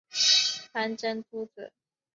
潘珍族子。